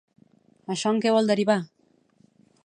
Això en què va derivar?